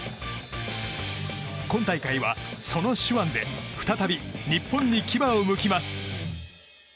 今大会は自らの手腕で再び日本に牙をむきます。